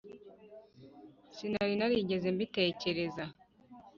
sinari narigeze mbitekereza.